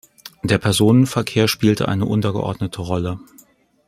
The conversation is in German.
Der Personenverkehr spielte eine untergeordnete Rolle.